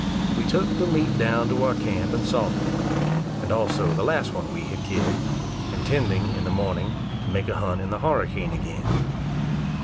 We took the meat down to our camp and salted it, and also the last one we had killed; intending, in the morning, to make a hunt in the harricane again.